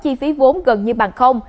có chi phí vốn gần như bằng không